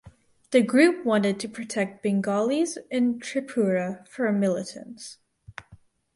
The group wanted to protect Bengalis in Tripura from militants.